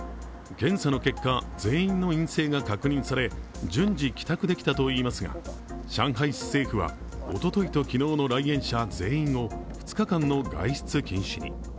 検査の結果、全員の陰性が確認され順次、帰宅できたといいますが、上海市政府はおとといと昨日の来園者全員を２日間の外出禁止に。